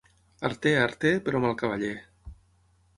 Arter, arter, però mal cavaller.